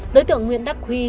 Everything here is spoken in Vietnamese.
đối tượng nguyễn đắc huy